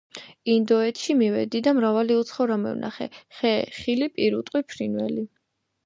ინდოეთში მივედი და მრავალი უცხო რამე ვნახე: ხე, ხილი, პირუტყვი, ფრინველი